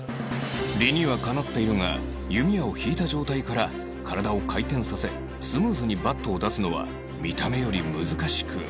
理にはかなっているが弓矢を引いた状態から体を回転させスムーズにバットを出すのは見た目より難しく